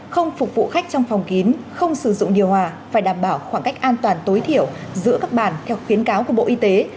các khách trong phòng kín không sử dụng điều hòa phải đảm bảo khoảng cách an toàn tối thiểu giữa các bàn theo khuyến cáo của bộ y tế